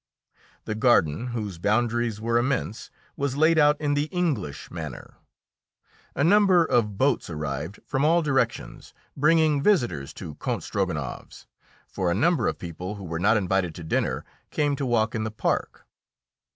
The garden, whose boundaries were immense, was laid out in the English manner. A number of boats arrived from all directions, bringing visitors to Count Strogonoff's, for a number of people who were not invited to dinner came to walk in the park.